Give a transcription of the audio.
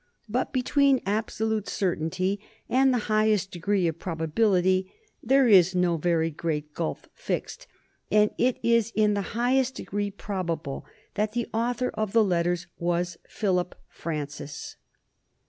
But between absolute certainty and the highest degree of probability there is no very great gulf fixed, and it is in the highest degree probable that the author of the letters was Philip Francis.